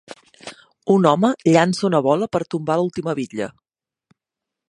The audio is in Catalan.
Un home llança una bola per tombar l'última bitlla.